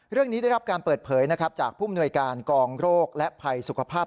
เรื่องนี้ได้รับการเปิดเผยจากภูมิหน่วยการกองโรคและภัยสุขภาพ